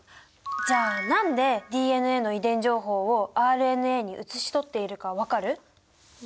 じゃあ何でＤＮＡの遺伝情報をＲＮＡに写し取っているか分かる？